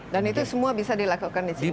dan itu semua bisa dilakukan di sini